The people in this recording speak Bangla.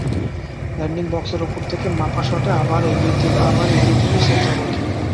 ল্যান্ডিং বক্সের ওপর থেকে মাপা শটে আবার এগিয়ে দিলেন শেখ জামালকে।